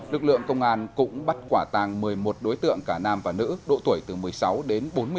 lực lượng công an cũng bắt quả tàng một mươi một đối tượng cả nam và nữ độ tuổi từ một mươi sáu đến bốn mươi sáu